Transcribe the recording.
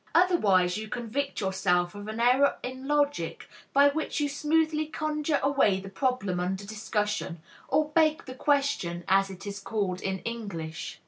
Otherwise you convict yourself of an error in logic by which you smoothly conjure away the problem under discussion; or "beg the question," as it is called in English.